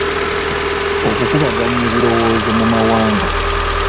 Okukubaganya ebirowoozo mu mawanga.